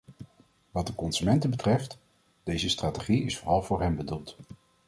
Wat de consumenten betreft: deze strategie is vooral voor hen bedoeld.